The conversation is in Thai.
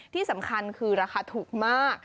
ที่สำคัญคือราคาถูกมาก